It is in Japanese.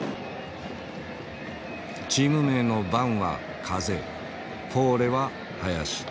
チーム名の「ヴァン」は風「フォーレ」は林。